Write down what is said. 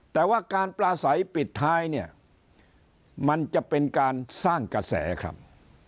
แต่ว่าการปลาใสปิดท้ายเนี่ยมันจะเป็นการสร้างกระแสครับ